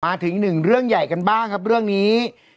มาถึงหนึ่งเรื่องใหญ่กันบ้างครับเรื่องนี้